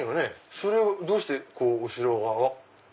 それをどうして後ろ側が？